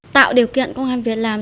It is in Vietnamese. tạo điều kiện công an việc làm